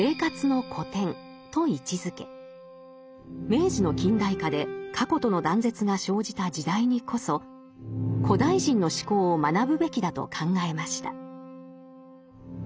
明治の近代化で過去との断絶が生じた時代にこそ古代人の思考を学ぶべきだと考えました。